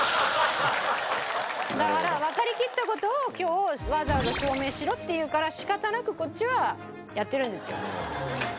だからわかりきった事を今日わざわざ証明しろっていうから仕方なくこっちはやってるんですよ。